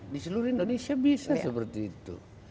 di seluruh indonesia bisa seperti itu